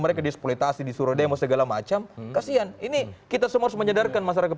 mereka disporitasi di surodeh segala macam kasihan ini kita semua menyadarkan masyarakat